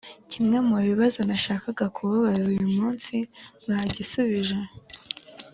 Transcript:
Kimwe mu bibazo nashakaga kubabaza uyu munsi mwagisubije